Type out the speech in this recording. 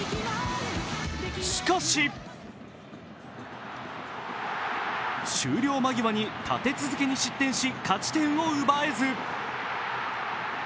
しかし終了間際に立て続けに失点し、勝ち点を奪えず。